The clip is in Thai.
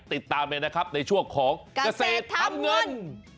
ติดตามเลยนะครับในช่วงของเกษตรทำเงิน